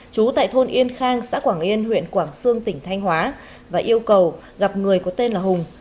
chú tại thôn yên khang xã quảng yên huyện quảng sương tỉnh thanh hóa và yêu cầu gặp người có tên là hùng